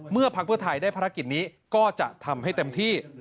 พักเพื่อไทยได้ภารกิจนี้ก็จะทำให้เต็มที่